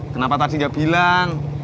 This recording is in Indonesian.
kenapa tadi gak bilang